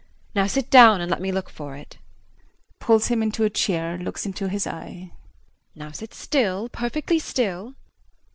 Now sit down and let me look for it. [Pulls him into a chair, looks into his eye.] Now sit still, perfectly still.